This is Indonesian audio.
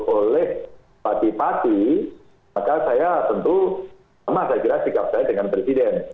oleh bupati pati maka saya tentu sama segera sikap saya dengan presiden